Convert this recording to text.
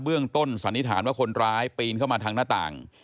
ต้นสันนิษฐานว่าคนร้ายปีนเข้ามาทางหน้าต่าง